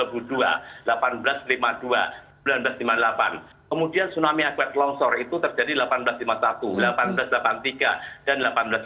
kemudian tsunami akibat longsor itu terjadi seribu delapan ratus lima puluh satu seribu delapan ratus delapan puluh tiga dan seribu delapan ratus sembilan puluh